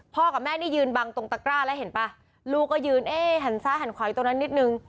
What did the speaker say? กับแม่นี่ยืนบังตรงตะกร้าแล้วเห็นป่ะลูกก็ยืนเอ๊ะหันซ้ายหันขวาอยู่ตรงนั้นนิดนึง